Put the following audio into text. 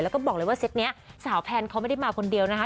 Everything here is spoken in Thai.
แล้วก็บอกเลยว่าเซ็ตนี้สาวแพนเขาไม่ได้มาคนเดียวนะคะ